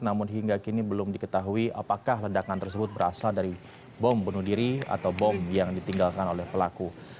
namun hingga kini belum diketahui apakah ledakan tersebut berasal dari bom bunuh diri atau bom yang ditinggalkan oleh pelaku